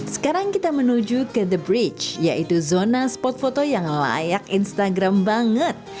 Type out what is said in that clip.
sekarang kita menuju ke the bridge yaitu zona spot foto yang layak instagram banget